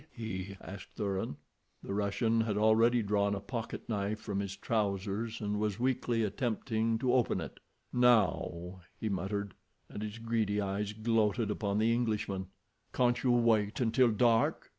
he asked Thuran. The Russian had already drawn a pocketknife from his trousers, and was weakly attempting to open it. "Now," he muttered, and his greedy eyes gloated upon the Englishman. "Can't you wait until dark?"